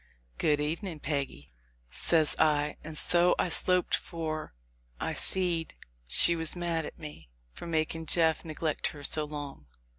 "Good evening, Peggy," says I, and so I sloped, for I seed she was mad at me for making Jeff neg lect her so long.